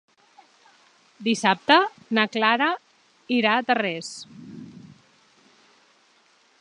Dissabte na Clara irà a Tarrés.